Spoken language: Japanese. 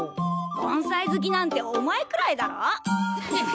盆栽好きなんてお前くらいだろ。